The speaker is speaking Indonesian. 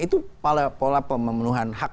itu pola pemenuhan hak